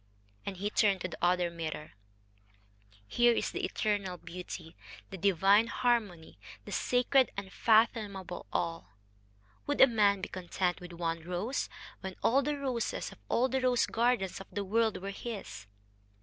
And he turned to the other mirror "Here is the Eternal Beauty, the Divine Harmony, the Sacred Unfathomable All.... Would a man be content with one rose, when all the roses of all the rose gardens of the world were his?..."